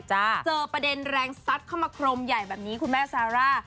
เจอประเด็นแรงซัดเข้ามาครมใหญ่แบบนี้คุณแม่ซาร่า